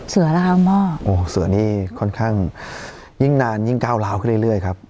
เหรอคะคุณพ่อโอ้เสือนี่ค่อนข้างยิ่งนานยิ่งก้าวร้าวขึ้นเรื่อยครับ